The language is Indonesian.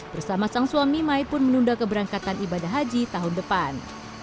bersama sang suami mai pun menunda keberangkatan ibadah haji tahun depan